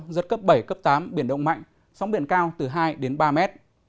giật cấp bảy cấp tám biển động mạnh sóng biển cao từ hai đến ba mét